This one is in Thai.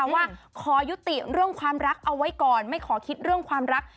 ว่าขอยุติเรื่องความรักเอาไว้ก่อนไม่ขอคิดเรื่องความรัก